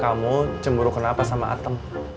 kamu cemburu kenapa sama atem